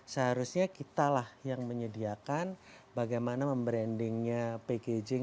seharusnya kitalah yang menyediakan bagaimana membrandingnya packaging